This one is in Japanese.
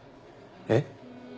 えっ？